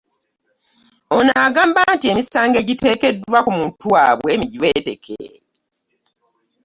Ono agamba nti emisango egiteekeddwa ku muntu waabwe mijweteke